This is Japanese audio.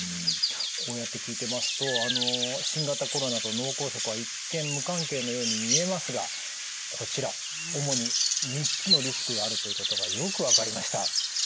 こうやって聞いてますとあの新型コロナと脳梗塞は一見無関係のように見えますがこちら主に三つのリスクがあるということがよく分かりました。